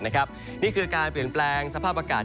นี่คือการเปลี่ยนแปลงสภาพอากาศ